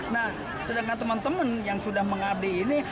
nah sedangkan teman teman yang sudah mengabdi ini